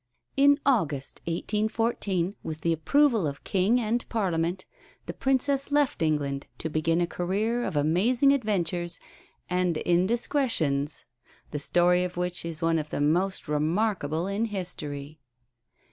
In August, 1814, with the approval of King and Parliament, the Princess left England to begin a career of amazing adventures and indiscrétions, the story of which is one of the most remarkable in history.